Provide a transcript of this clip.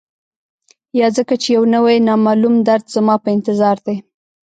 یا ځکه چي یو نوی، نامعلوم درد زما په انتظار دی